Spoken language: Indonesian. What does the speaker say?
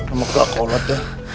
sama kakak ulat mbah